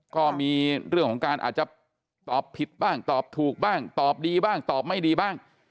ก็มีเรื่องของการอาจจะตอบผิดบ้างตอบถูกบ้างตอบดีบ้างตอบไม่ดีบ้าง